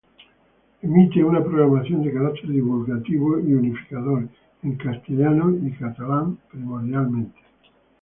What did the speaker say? Emite una programación de carácter divulgativo y unificador, en castellano y catalán primordialmente.